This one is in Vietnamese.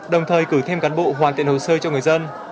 đồng thời cử thêm cán bộ hoàn thiện hồ sơ cho người dân